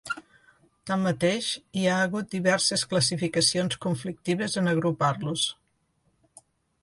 Tanmateix, hi ha hagut diverses classificacions conflictives en agrupar-los.